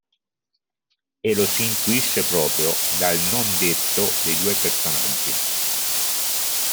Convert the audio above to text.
E lo si intuisce proprio dal non-detto dei due personaggi.